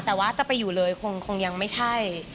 แต่ว่าจะไปอยู่เลยคงยังไม่ใช่